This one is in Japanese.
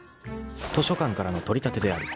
［図書館からの取り立てである］